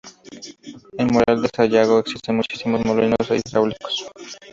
En Moral de Sayago existen muchísimos molinos hidráulicos.